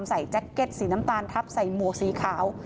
แจ็คเก็ตสีน้ำตาลทับใส่หมวกสีขาว